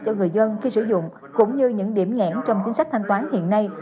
cho người dân khi sử dụng cũng như những điểm nghẽn trong chính sách thanh toán hiện nay